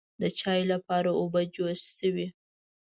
د چایو لپاره اوبه جوش شوې.